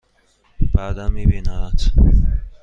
بعدا می بینمت!